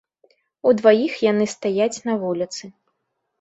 Удваіх яны стаяць на вуліцы.